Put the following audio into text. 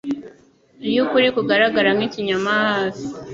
iyo ukuri kugaragara nkikinyoma hafi